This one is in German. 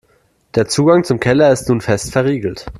Der Zugang zum Keller ist nun fest verriegelt.